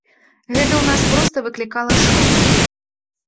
Гэта ў нас проста выклікала шок.